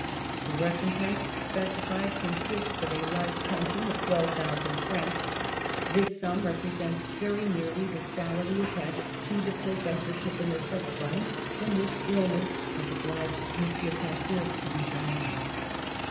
'The recompense specified consists of a life pension of twelve thousand francs; this sum represents very nearly the salary attached to the professorship in the Sorbonne, from which illness has obliged M. Pasteur to resign."